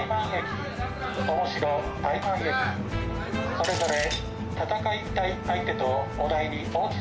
それぞれ。